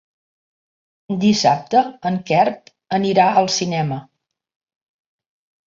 Dissabte en Quer anirà al cinema.